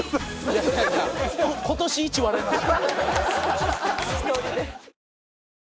いやいやいや今年イチ笑いました。